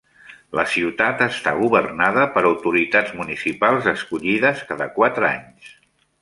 La ciutat està governada per autoritats municipals escollides cada quatre anys.